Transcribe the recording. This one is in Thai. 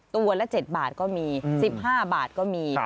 ตัวละ๗บาทก็มี๑๕บาทก็มี